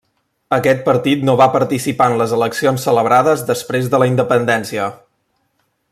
Aquest partit no va participar en les eleccions celebrades després de la independència.